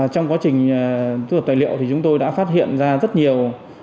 trong quá trình thu thập tài liệu thì chúng tôi đã phát hiện ra rất nhiều